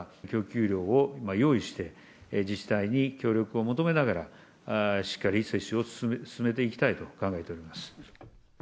供給量を用意して、自治体に協力を求めながら、しっかり接種を進めていきたいと考えております。